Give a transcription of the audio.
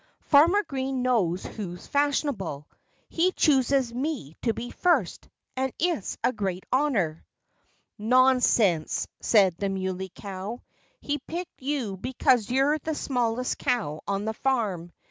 "Farmer Green knows who's fashionable. He chooses me to be first! And it's a great honor." "Nonsense!" said the Muley Cow. "He picked you because you're the smallest cow on the farm.